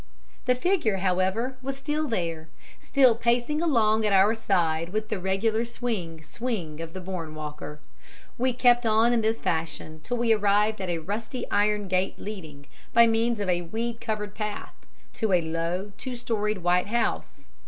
The figure, however, was still there, still pacing along at our side with the regular swing, swing of the born walker. We kept on in this fashion till we arrived at a rusty iron gate leading, by means of a weed covered path, to a low, two storied white house.